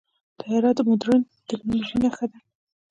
طیاره د مدرن ټیکنالوژۍ نښه ده.